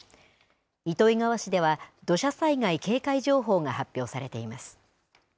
糸魚川市では、土砂災害警戒情報が発表されています。